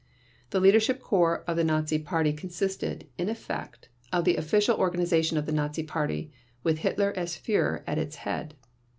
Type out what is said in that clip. The Leadership Corps of the Nazi Party consisted, in effect, of the official organization of the Nazi Party, with Hitler as Führer at its head.